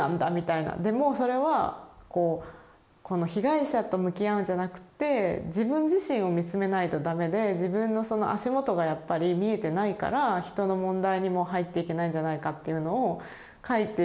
でもそれはこの被害者と向き合うんじゃなくて自分自身を見つめないと駄目で自分のその足元がやっぱり見えてないから人の問題にも入っていけないんじゃないかっていうのを書いてる。